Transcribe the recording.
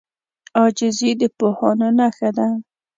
عاجزي د پوهانو نښه ده.